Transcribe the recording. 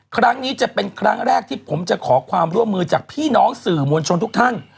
ครั้งนี้จะเป็นครั้งแรกที่ผมจะขอความร่วมมือจากพี่น้องสื่อมวลชนทุกท่าน